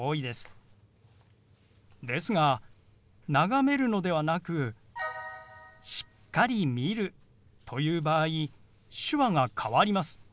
ですが眺めるのではなく「しっかり見る」という場合手話が変わります。